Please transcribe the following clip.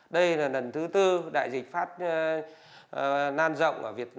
hãy đăng kí cho kênh lalaschool để không bỏ lỡ những video hấp dẫn